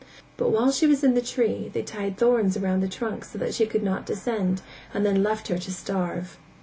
But while she was in the tree, they tied thorns round the trunk so that she could not descend and then left her to starve.